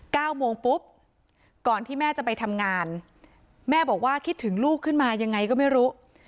เก้าโมงปุ๊บก่อนที่แม่จะไปทำงานแม่บอกว่าคิดถึงลูกขึ้นมายังไงก็ไม่รู้